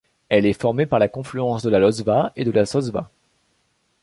Elle est formée par la confluence de la Lozva et de la Sosva.